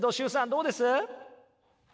どうです？